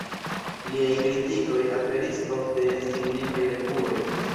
Liaj kritikoj aperis ofte en signifaj revuoj.